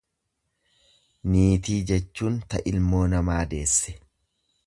Niitii jechuun ta ilmoo namaa deesse.